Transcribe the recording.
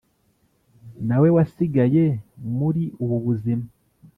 na we wasigaye muri ubu buzima